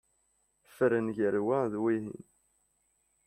Fren gar wa ed wihin.